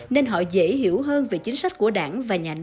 nên họ dễ hiểu hơn về chính sách của đảng